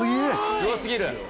すごすぎる。